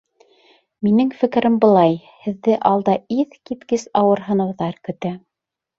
Минең фекерем былай: һеҙҙе алда иҫ киткес ауыр һынауҙар көтә.